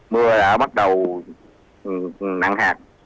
mưa đã bắt đầu nặng hạt